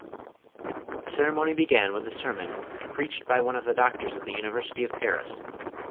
The ceremony began with a sermon, preached by one of the doctors of the university of Paris.